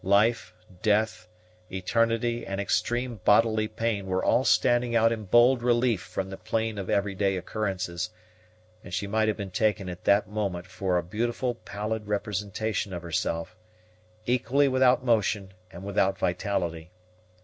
Life, death, eternity, and extreme bodily pain were all standing out in bold relief from the plane of every day occurrences; and she might have been taken at that moment for a beautiful pallid representation of herself, equally without motion and without vitality.